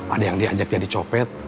ada yang diajak jadi copet